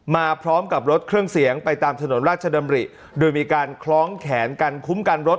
มาพร้อมกับรถเครื่องเสียงไปตามถนนราชดำริโดยมีการคล้องแขนกันคุ้มกันรถ